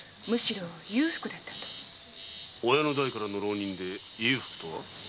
親の代からの浪人で裕福？